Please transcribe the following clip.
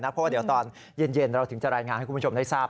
เพราะว่าเดี๋ยวตอนเย็นเราถึงจะรายงานให้คุณผู้ชมได้ทราบ